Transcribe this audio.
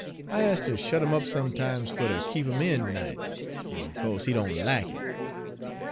'I has ter shet 'im up sometimes fer ter keep 'im in nights, en co'se he doan lack it.